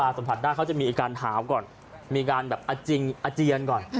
ถ้าหมอปลาสัมผัสได้เขาจะมีอาการห่าวก่อนมีอาการแบบอาเจียนก่อน